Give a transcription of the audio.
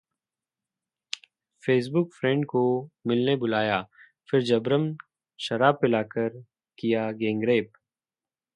Facebook friend को मिलने बुलाया, फिर जबरन शराब पिलाकर किया गैंगरेप